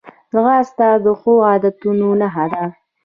ځغاسته د ښو عادتونو نښه ده